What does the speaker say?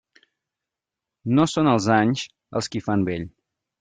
No són els anys els qui fan vell.